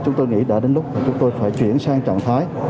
chúng tôi nghĩ đã đến lúc chúng tôi phải chuyển sang trạng thái